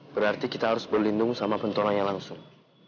berarti kita harus berlindung sama pentolongannya langsung